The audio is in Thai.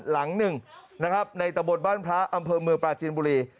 หลังหนึ่งนะครับในตะบนบ้านพระอำเภอเมืองปลาจีนบุรี